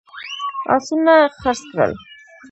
آسونه خرڅ کړل.